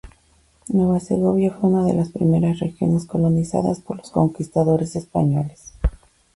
Nueva Segovia fue una de las primeras regiones colonizadas por los conquistadores españoles.